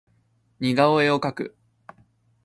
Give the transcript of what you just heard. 似顔絵を描く